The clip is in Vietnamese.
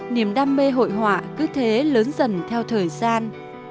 niềm đam mê hội họa cứ thế lớn dần theo thời gian